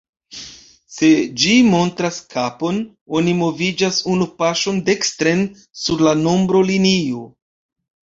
Se ĝi montras kapon, oni moviĝas unu paŝon dekstren sur la nombro-linio.